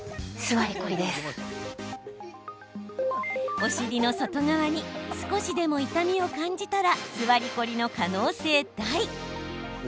お尻の外側に少しでも痛みを感じたら、座りコリの可能性大。